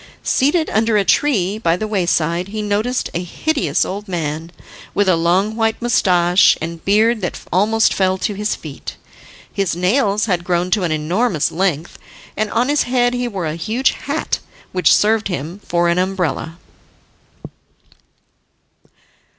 Seated under a tree by the wayside he noticed a hideous old man, with a long white moustache, and beard that almost fell to his feet. His nails had grown to an enormous length, and on his head he wore a huge hat, which served him for an umbrella.